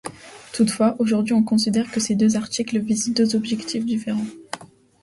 Toutefois, aujourd'hui on considère que ces deux articles visent deux objectifs différents.